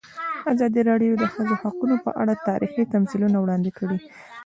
ازادي راډیو د د ښځو حقونه په اړه تاریخي تمثیلونه وړاندې کړي.